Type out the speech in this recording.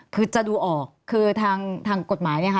คือจะดูออกคือทางกฎหมายเนี่ยค่ะ